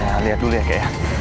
coba saya lihat dulu ya ke